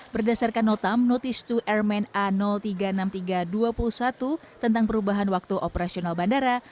berdasarkan notam notice to airmen a tiga ratus enam puluh tiga dua puluh satu tentang perubahan waktu operasional bandara